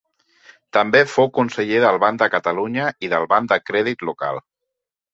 També fou conseller del Banc de Catalunya i del Banc de Crèdit Local.